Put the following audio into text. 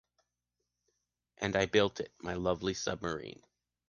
And I built it - my lovely submarine.